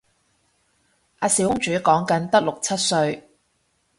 阿小公主講緊得六七歲